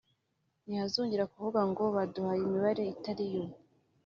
ntihazongere kuvugwa ngo baduhaye imibare itariyo